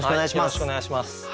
よろしくお願いします。